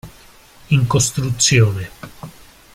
In costruzione